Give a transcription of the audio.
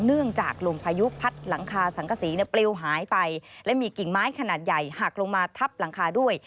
เนื่องจากลมพายุพัดหลังคาสังกษีปลิวหายไปและมีกิ่งไม้ขนาดใหญ่หักลงมาทับหลังคาด้วย